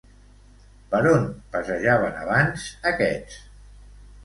Per on passejaven abans aquests?